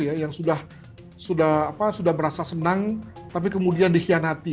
yang sudah merasa senang tapi kemudian dikhianati